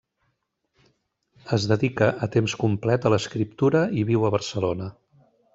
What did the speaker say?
Es dedica a temps complet a l'escriptura i viu a Barcelona.